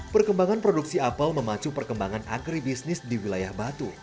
perkembangan produksi apel memacu perkembangan agribisnis di wilayah batu